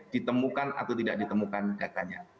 ditemukan atau tidak ditemukan datanya